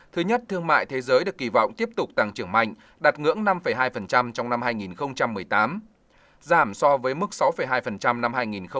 thứ nhất thương mại thế giới được kỳ vọng tiếp tục tăng trưởng mạnh đạt ngưỡng năm hai trong năm hai nghìn một mươi tám giảm so với mức sáu hai năm hai nghìn một mươi bảy